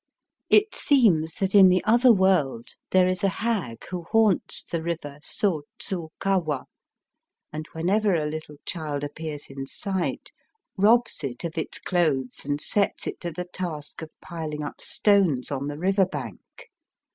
It seems that in the other world there is a hag who haunts the river So dzu kawa, and whenever a little child appears in sight robs it of its clothes and sets it to the task of piHng up stones on the river bank.